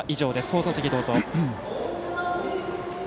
放送席どうぞ。